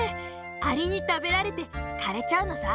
アリにたべられてかれちゃうのさ。